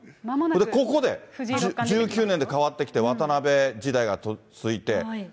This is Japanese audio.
ここで１９年で変わってきて、渡辺時代が続いて。